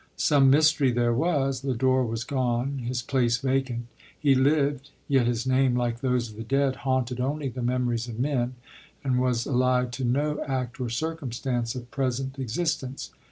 Some mystery there was — Lodore was gone — his place vacant: he lived; yet his name, like those of the dead, haunted only the memories of men, and was allied to no act or circumstance of present existence.